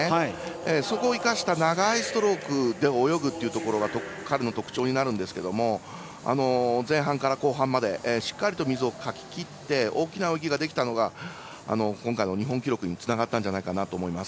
そこを生かした長いストロークで泳ぐというところが彼の特徴になるんですけど前半から後半までしっかり水をかききって大きな泳ぎができたのが今回の日本記録につながったんじゃないかと思います。